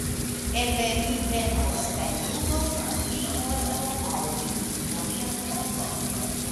Eble mi venos kaj ludos kun vi morgaŭ aŭ iun alian tagon.